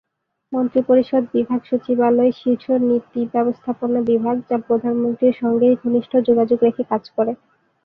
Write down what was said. মন্ত্রিপরিষদ বিভাগ সচিবালয়ে শীর্ষ নীতি-ব্যবস্থাপনা বিভাগ যা প্রধানমন্ত্রীর সঙ্গে ঘনিষ্ঠ যোগাযোগ রেখে কাজ করে।